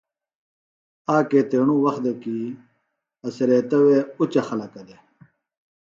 آک ایتیݨوۡ وخت دےۡ کیۡ اڅھریتہ وے اُچہ خلَکہ دےۡ